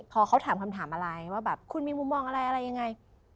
พอเขาถามคำถามอะไรว่าแบบคุณมีมุมมองอะไรอะไรยังไง